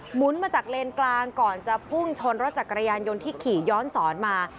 หุนมาจากเลนกลางก่อนจะพุ่งชนรถจักรยานยนต์ที่ขี่ย้อนสอนมา